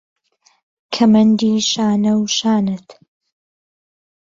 کهمهندی شانه و شانت